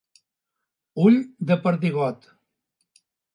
Ull de perdigot.